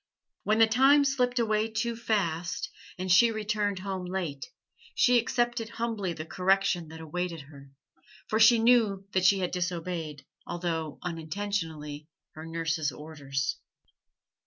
When the time slipped away too fast, and she returned home late, she accepted humbly the correction that awaited her, for she knew that she had disobeyed although unintentionally her nurse's orders.